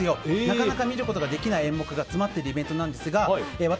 なかなか見ることのできない演目が詰まっているイベントですが私、